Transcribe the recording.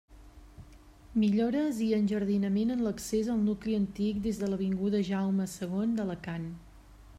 Millores i enjardinament en l'accés al nucli antic des de l'avinguda Jaume segon d'Alacant.